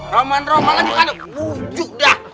roman romanan aduh wujudah